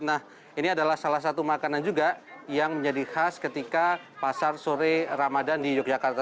nah ini adalah salah satu makanan juga yang menjadi khas ketika pasar sore ramadhan di yogyakarta